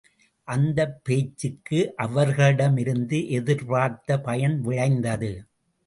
அந்தப் பேச்சுக்கு அவர்களிடமிருந்து எதிர்பார்த்த பயன் விளைந்தது.